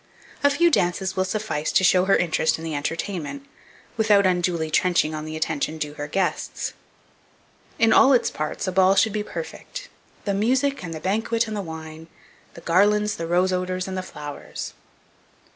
A few dances will suffice to show her interest in the entertainment, without unduly trenching on the attention due to her guests. In all its parts a ball should be perfect, "The music, and the banquet, and the wine; The garlands, the rose odours, and the flowers."